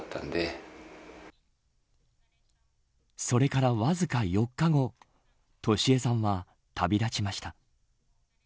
それから、わずか４日後俊恵さんは、旅立ちました。